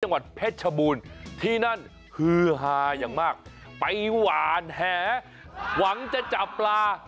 จังหวัดเพชรชบูรณ์ที่นั่นฮือฮาอย่างมากไปหวานแหหวังจะจับปลา